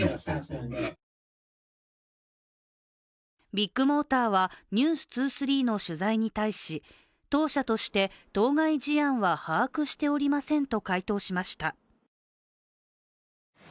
ビッグモーターは「ｎｅｗｓ２３」の取材に対し当社として当該事案は把握しておりませんと回答しました。